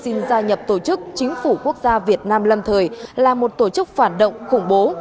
đào quang thực đã nhận ra nhập tổ chức chính phủ quốc gia việt nam lâm thời là một tổ chức phạt động khủng bố